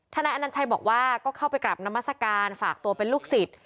นายอนัญชัยบอกว่าก็เข้าไปกลับนามัศกาลฝากตัวเป็นลูกศิษย์